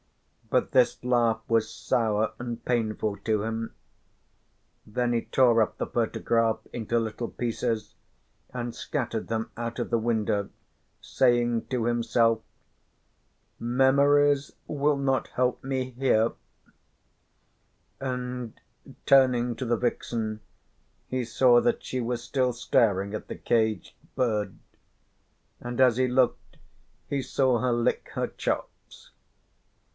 But this laugh was sour and painful to him. Then he tore up the photograph into little pieces, and scattered them out of the window, saying to himself: "Memories will not help me here," and turning to the vixen he saw that she was still staring at the caged bird, and as he looked he saw her lick her chops.